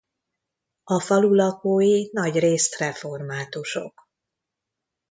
A falu lakói nagyrészt reformátusok.